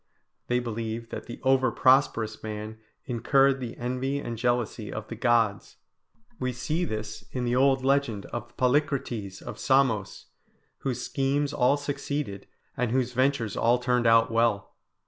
They believed that the over prosperous man incurred the envy and jealousy of the gods. We see this in the old legend of Polycrates of Samos, whose schemes all succeeded, and whose ventures all turned out well.